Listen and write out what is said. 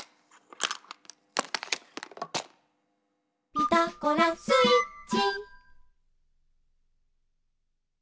「ピタゴラスイッチ」